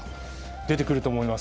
出てくると思います。